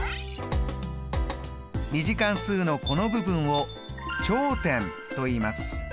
２次関数のこの部分を頂点といいます。